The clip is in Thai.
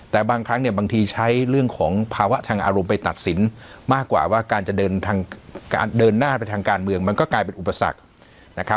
แต่บางครั้งเนี่ยบางทีใช้เรื่องของภาวะทางอารมณ์ไปตัดสินมากกว่าว่าการจะเดินทางเดินหน้าไปทางการเมืองมันก็กลายเป็นอุปสรรคนะครับ